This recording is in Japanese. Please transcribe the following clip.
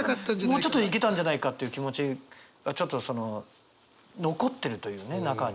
もうちょっといけたんじゃないかっていう気持ちがちょっと残ってるというね中に。